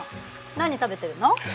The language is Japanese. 何食べてるの？